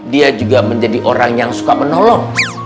dia juga menjadi orang yang suka menolong